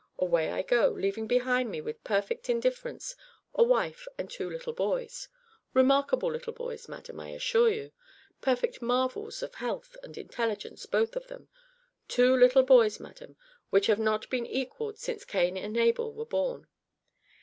Away I go, leaving behind me, with perfect indifference, a wife and two little boys. Remarkable little boys, madam, I assure you. Perfect marvels of health and intelligence, both of 'em two little boys, madam, which have not been equalled since Cain and Abel were born.